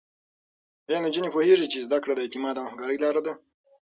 ایا نجونې پوهېږي چې زده کړه د اعتماد او همکارۍ لاره ده؟